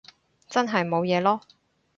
真係冇嘢囉